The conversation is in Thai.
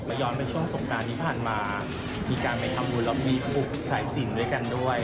ย้อนไปช่วงสงการที่ผ่านมามีการไปทำบุญแล้วมีหลายสิ่งด้วยกันด้วย